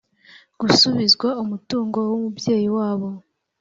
gusubizwa umutungo w umubyeyi wabo